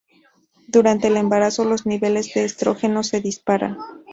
Durante el embarazo, los niveles de estrógenos se disparan.